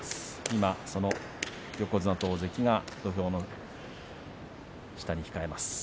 今、横綱と大関が土俵下に控えます。